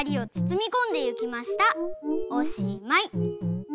おしまい。